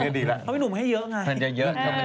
ให้เยอะก็ต้องอยู่ตรงน้ำไทย